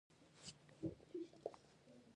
له نړېدلو دیوالو پورته سه